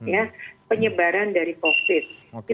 ya penyebaran dari covid